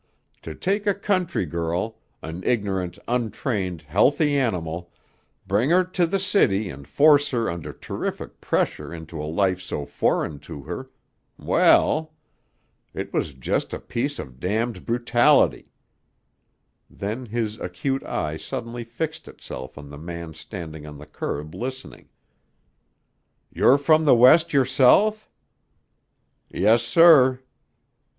To take a country girl, an ignorant, untrained, healthy animal, bring her to the city and force her under terrific pressure into a life so foreign to her well! it was just a piece of d d brutality." Then his acute eye suddenly fixed itself on the man standing on the curb listening. "You're from the West yourself?" "Yes, sir."